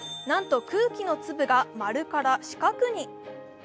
なんと空気の粒が丸から四角に。